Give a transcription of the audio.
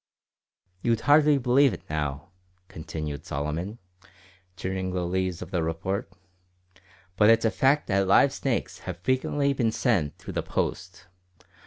"You'd hardly believe it now," continued Solomon, turning the leaves of the Report, "but it's a fact that live snakes have frequently been sent through the post.